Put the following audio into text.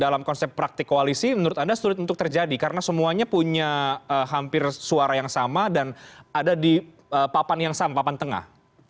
dalam konsep praktik koalisi menurut anda sulit untuk terjadi karena semuanya punya hampir suara yang sama dan ada di papan yang sama papan tengah